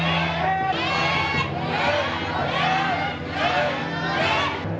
เล่น